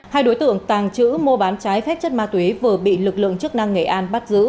hai đối tượng tàng trữ mua bán trái phép chất ma túy vừa bị lực lượng chức năng nghệ an bắt giữ